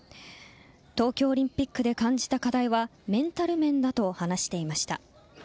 東京オリンピックで感じた課題はメンタル面だと話していました。